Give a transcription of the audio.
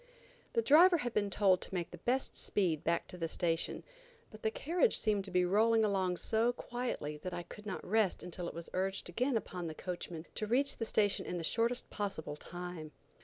The driver had been told to make the best speed back to the station, but the carriage seemed to be rolling along so quietly that I could not rest until it was urged again upon the coachman to reach the station in the shortest possible time.